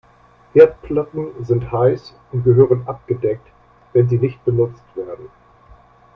Herdplatten sind heiß und gehören abgedeckt, wenn sie nicht benutzt werden.